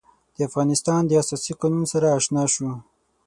د افغانستان د اساسي قانون سره آشنا شو.